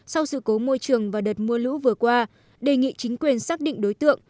sau sự cố môi trường và đợt mưa lũ vừa qua đề nghị chính quyền xác định đối tượng